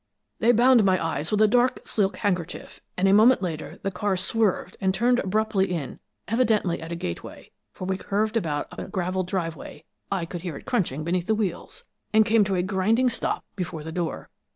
"They bound my eyes with a dark silk handkerchief, and a moment later the car swerved and turned abruptly in, evidently at a gateway, for we curved about up a graveled driveway I could hear it crunching beneath the wheels and came to a grinding stop before the door.